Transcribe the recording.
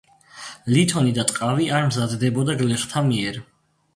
ლითონი და ტყავი არ მზადდებოდა გლეხთა მიერ.